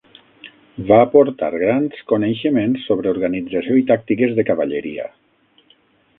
Va aportar grans coneixements sobre organització i tàctiques de cavalleria.